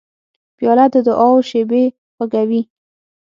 پیاله د دعاو شېبې خوږوي.